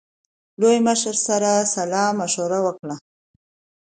لوی مشر سره سلا مشوره وکړه.